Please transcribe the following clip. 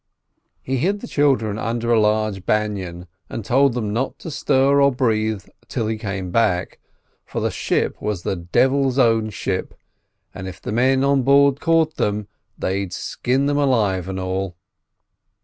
He hid the children under a large banyan, and told them not to stir or breathe till he came back, for the ship was "the devil's own ship"; and if the men on board caught them they'd skin them alive and all.